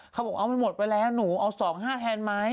เขาบอกเอามันหมดไปแล้วหนูเอา๒๕แทนไหม